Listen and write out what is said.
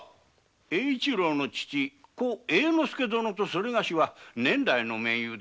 英一郎の亡き父・英之助殿とそれがしは年来の盟友。